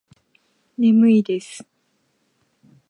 眠いです